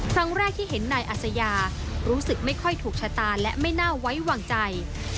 ครั้งแรกที่เห็นนายอัศยารู้สึกไม่ค่อยถูกชะตาและไม่น่าไว้วางใจ